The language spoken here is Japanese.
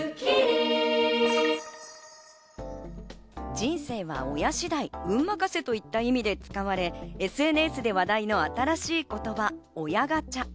人生は親次第、運任せといった意味で使われ、ＳＮＳで話題の新しい言葉、親ガチャ。